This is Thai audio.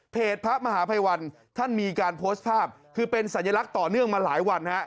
พระมหาภัยวันท่านมีการโพสต์ภาพคือเป็นสัญลักษณ์ต่อเนื่องมาหลายวันฮะ